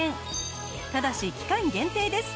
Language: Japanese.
ただし期間限定です。